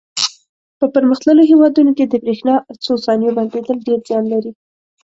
په پرمختللو هېوادونو کې د برېښنا څو ثانیو بندېدل ډېر زیان لري.